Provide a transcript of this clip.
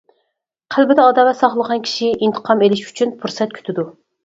قەلبىدە ئاداۋەت ساقلىغان كىشى ئىنتىقام ئېلىش ئۈچۈن پۇرسەت كۈتىدۇ.